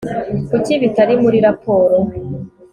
kuki bitari muri raporo